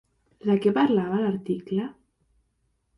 De què parlava l'article?